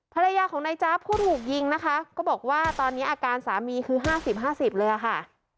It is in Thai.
ภรรยาของนายจ๊าบผู้ถูกยิงนะคะก็บอกว่าตอนนี้อาการสามีคือ๕๐๕๐เลยอะค่ะ